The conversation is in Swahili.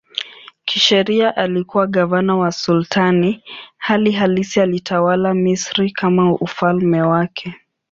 Kisheria alikuwa gavana wa sultani, hali halisi alitawala Misri kama ufalme wake.